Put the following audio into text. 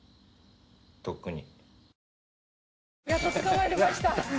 とっくに。